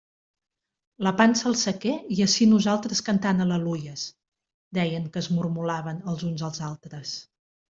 «La pansa al sequer i ací nosaltres cantant al·leluies!», deien que es mormolaven els uns als altres.